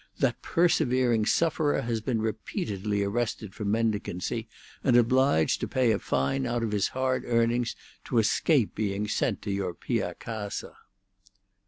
That persevering sufferer has been repeatedly arrested for mendicancy, and obliged to pay a fine out of his hard earnings to escape being sent to your Pia Casa."